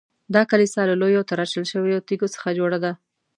دا کلیسا له لویو تراشل شویو تیږو څخه جوړه ده.